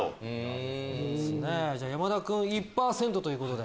山田君１％ということで。